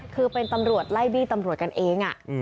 คือเป็นตำรวจไล่บี้ตำรวจกันเอง